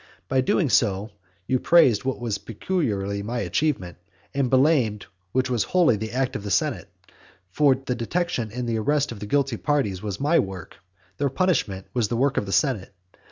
And by doing so you praised what was peculiarly my achievement, and blamed that which was wholly the act of the senate. For the detection and arrest of the guilty parties was my work, their punishment was the work of the senate.